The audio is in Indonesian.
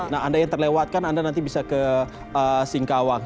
nah anda yang terlewatkan anda nanti bisa ke singkawang